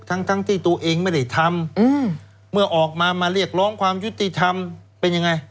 ทั้งทั้งที่ตัวเองไม่ได้ทำเมื่อออกมามาเรียกร้องความยุติธรรมเป็นยังไง